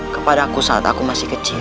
kepada aku saat aku masih kecil